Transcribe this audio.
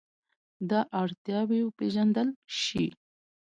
دا اړتیاوې وپېژندل شي.